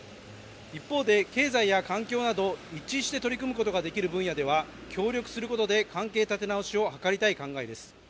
一方で経済や環境など一致して取り組むことができる分野では協力することで関係立て直しを図りたい考えです。